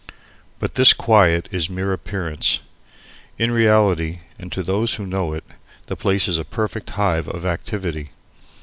But this quiet is mere appearance. In reality, and to those who know it, the place is a perfect hive of activity.